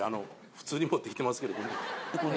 普通に持ってきてますけどこれ。